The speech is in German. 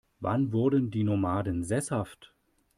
Wann wurden die Nomaden sesshaft?